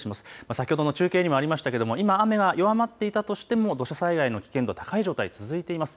先ほどの中継にもありましたけども今、雨が弱まっていたとしても土砂災害の危険度、高い状態続いています。